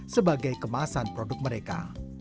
sebagai kemasan produk mereka